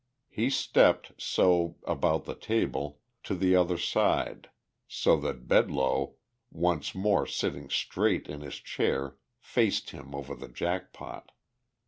He stepped, so, about the table, to the other side, so that Bedloe, once more sitting straight in his chair, faced him over the jack pot.